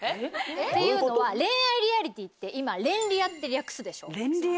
っていうのは恋愛リアリティーって今「恋リア」って略すでしょ？